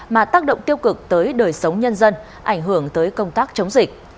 mà tác động tiêu cực tới đời sống nhân dân ảnh hưởng tới công tác chống dịch